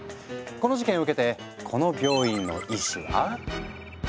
この事件を受けてこの病院の医師は。